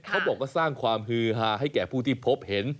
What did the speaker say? เขาบอกว่าสร้างความฮือฮาให้แก่ผู้ที่พบเห็น